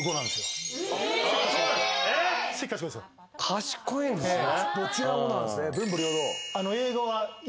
賢いんですね。